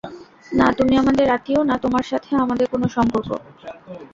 না তুমি আমাদের আত্মীয়, না তোমার সাথে আমাদের কোনো সম্পর্ক।